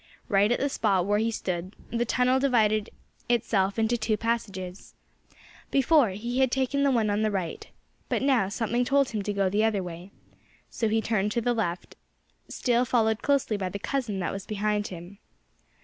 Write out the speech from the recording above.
Right at the spot where he stood the tunnel divided itself into two passages. Before, he had taken the one on the right. But now something told him to go the other way. So he turned to the left, still followed closely by the cousin that was behind him.